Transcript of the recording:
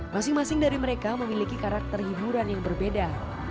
masing masing dari mereka memiliki karakter hiburan yang berbeda